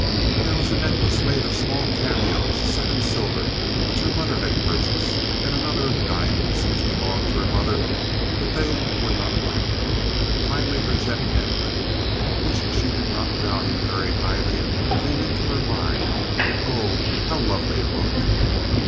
There was a necklace made of small cameos set in silver which her mother had purchased, and another of diamonds which belonged to her mother, but they were not right. Finally, her jet necklet, which she did not value very highly, came into her mind, and, oh, how lovely it looked!